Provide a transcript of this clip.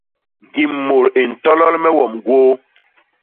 Ñgim mut i ntolol me wom gwôô.